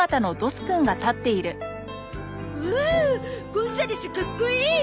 ゴンザレスかっこいい！